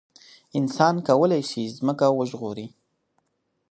انسان کولای شي ځمکه وژغوري.